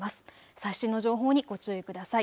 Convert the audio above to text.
最新の情報にご注意ください。